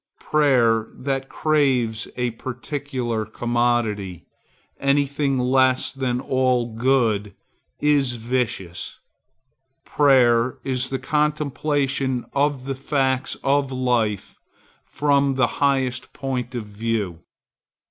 Prayer that craves a particular commodity, any thing less than all good, is vicious. Prayer is the contemplation of the facts of life from the highest point of view.